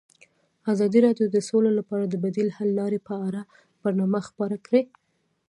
ازادي راډیو د سوله لپاره د بدیل حل لارې په اړه برنامه خپاره کړې.